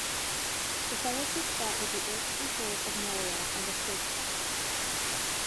The Fellowship fought with the Orcs and Trolls of Moria and escaped them.